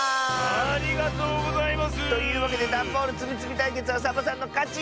ありがとうございます！というわけでダンボールつみつみたいけつはサボさんのかち！